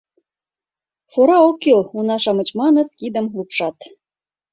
— Фора ок кӱл, — уна-шамыч маныт, кидым лупшат.